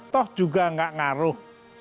toh juga gak ngaruh